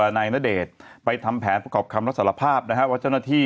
นายณเดชน์ไปทำแผนประกอบคำรับสารภาพนะฮะว่าเจ้าหน้าที่